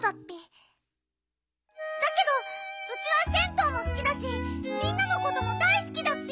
だけどウチは銭湯もすきだしみんなのことも大すきだッピ。